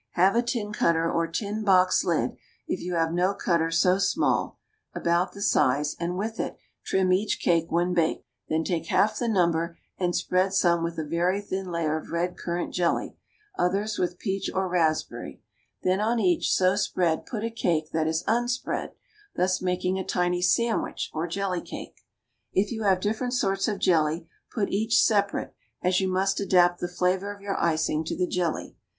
Have a tin cutter or tin box lid, if you have no cutter so small, about the size, and with it trim each cake when baked; then take half the number and spread some with a very thin layer of red currant jelly, others with peach or raspberry; then on each so spread put a cake that is unspread, thus making a tiny sandwich or jelly cake. If you have different sorts of jelly, put each separate, as you must adapt the flavor of your icing to the jelly.